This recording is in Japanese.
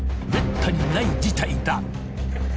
めったにない事態だ！